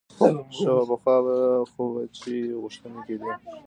ښه وه پخوا خو به چې غوښتنې کېدې.